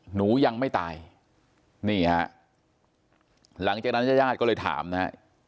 หนูยังไม่ตายหลังจากนั้นญาติก็เลยถามนะ